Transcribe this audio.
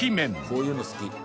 こういうの好き。